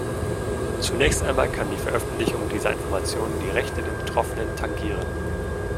Zunächst einmal kann die Veröffentlichung dieser Informationen die Rechte der Betroffenen tangieren.